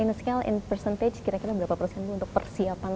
in scale in percentage kira kira berapa persen untuk persiapan